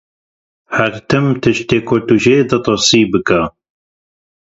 Her tim tiştê ku tu jê ditirsî, bike.